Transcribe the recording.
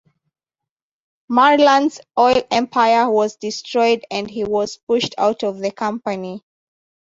Marland's oil empire was destroyed and he was pushed out of the company.